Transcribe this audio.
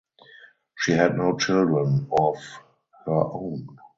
She had no children of her own.